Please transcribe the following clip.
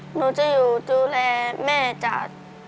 หนูจะอยู่ดูแลแม่จาก